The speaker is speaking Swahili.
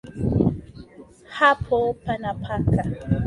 Hapo pana paka.